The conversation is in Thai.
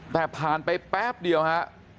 แต่ผ่านไปแป๊บเดียวฮะ